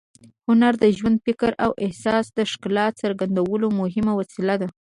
هنر د ژوند، فکر او احساس د ښکلا څرګندولو مهم وسیله ده.